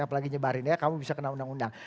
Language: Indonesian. apalagi nyebarin ya kamu bisa kena undang undang